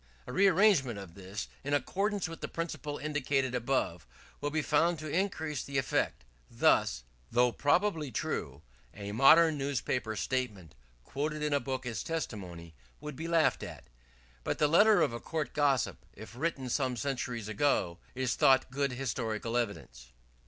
A rearrangement of this, in accordance with the principle indicated above, will be found to increase the effect. Thus: "Though probably true, a modern newspaper statement quoted in a book as testimony, would be laughed at; but the letter of a court gossip, if written some centuries ago, is thought good historical evidence."